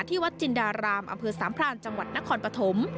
ที่วัดจินดารามอำเภอสามพรานจังหวัดนครปฐม